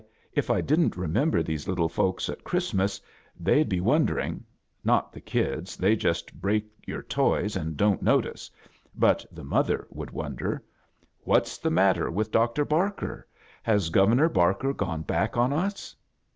Why, if I didn't re member these little folks at Christmas they'd be wondering — not the kids, they Jtist break your toys and don't notice; but the mother would wonder— * What's the matter with Dr. Barker? Has Governor Barker gone back on us?